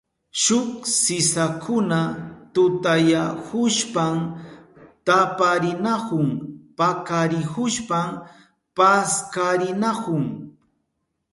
Shuk sisakuna tutayahushpan taparinahun pakarihushpan paskarinahun.